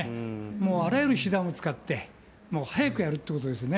もうあらゆる手段を使って、早くやるということですね。